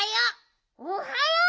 おはよう。